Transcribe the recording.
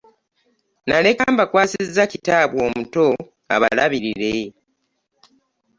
Naleka mbakwasizza kitaabwe omuto abalabirire.